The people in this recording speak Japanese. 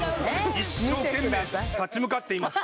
一生懸命立ち向かっています